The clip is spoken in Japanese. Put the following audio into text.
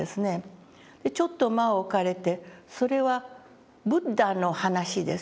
ちょっと間を置かれて「それはブッダの話です。